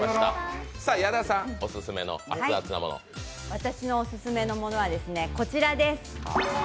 私のオススメのものはこちらです。